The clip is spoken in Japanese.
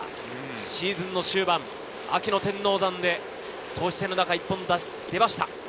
シーズン終盤、秋の天王山で投手戦の中、一本出ました。